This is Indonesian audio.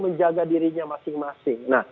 menjaga dirinya masing masing